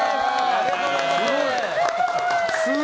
ありがとうございます。